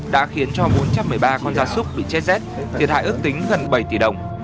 đã khiến cho bốn trăm một mươi ba con da súc bị chết rét thiệt hại ước tính gần bảy tỷ đồng